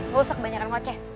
gak usah kebanyakan wajah